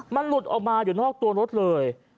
มันหลุดออกมาอยู่นอกตัวรถเลย